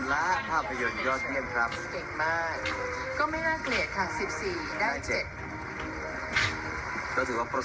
และภาพยนตร์ยอดเยี่ยมครับ